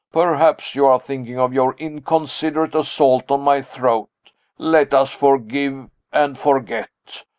Perhaps you are thinking of your inconsiderate assault on my throat? Let us forgive and forget.